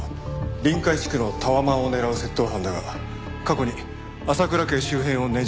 臨海地区のタワマンを狙う窃盗犯だが過去に浅倉家周辺を根城にしていた。